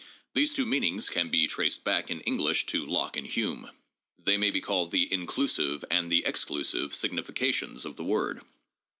These two meanings can be traced back in English to Locke and Hume. They may be called the inclusive and the exclusive significations of the word.